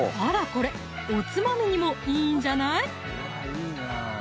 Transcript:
これおつまみにもいいんじゃない？